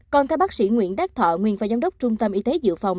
còn theo bác sĩ nguyễn đác thọ nguyên phó giám đốc trung tâm y tế dự phòng